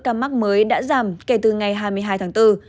các mắc mới đã giảm kể từ ngày hai mươi hai tháng bốn